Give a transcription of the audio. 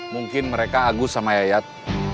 mungkin mereka agus sama yayat